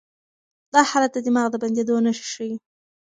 دا حالت د دماغ د بندېدو نښې ښيي.